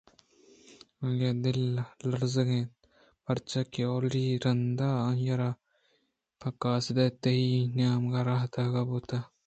آئی ءِ دل لرزگ ءَ اَت پرچا کہ اولی رندءَ آئی ءَ را پہ قاصد ی تئی نیمگ ءَ راہ دیگ بوتگ اَت